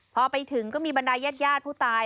พอไปถึงก็มีบันไดแยดผู้ตาย